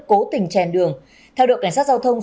cố tình chèn đường theo đội cảnh sát giao thông